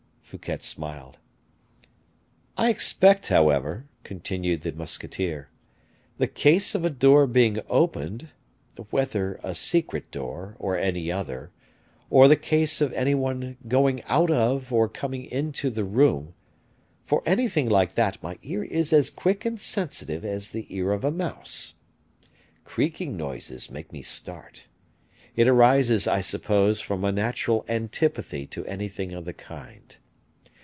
Fouquet smiled. "I expect, however," continued the musketeer, "the case of a door being opened, whether a secret door, or any other; or the case of any one going out of, or coming into, the room for anything like that my ear is as quick and sensitive as the ear of a mouse. Creaking noises make me start. It arises, I suppose, from a natural antipathy to anything of the kind.